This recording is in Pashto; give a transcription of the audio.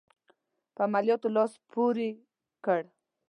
په عملیاتو لاس پوري کړ.